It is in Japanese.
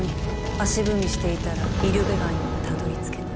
足踏みしていたらイルベガンにはたどりつけない。